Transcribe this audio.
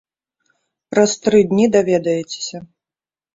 Праз тры дні даведаецеся.